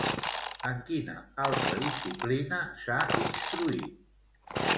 En quina altra disciplina s'ha instruït?